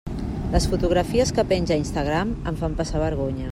Les fotografies que penja a Instagram em fan passar vergonya.